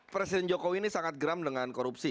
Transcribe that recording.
presiden jokowi ini sangat geram dengan korupsi